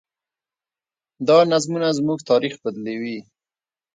دا نظمونه زموږ تاریخ بدلوي.